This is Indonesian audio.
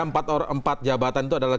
empat jabatan itu adalah